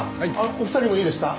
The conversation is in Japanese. お二人もいいですか？